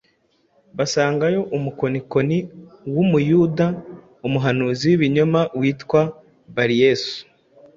basangayo umukonikoni w’Umuyuda, umuhanuzi w’ibinyoma witwa Bariyesu,